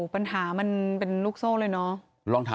ปัญหามันเป็นลูกโซ่เลยเนาะ